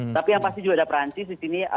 tapi yang pasti juga ada perancis di sini